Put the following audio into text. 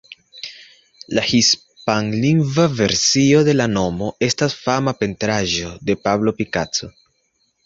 La hispanlingva versio de la nomo estas fama pentraĵo de Pablo Picasso.